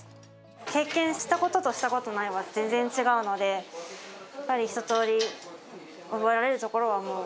経験したこととしたことないのでは全然違うので、やっぱり一通り、覚えられるところはもう。